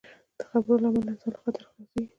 د خبرو له امله انسان له خطر خلاصېږي.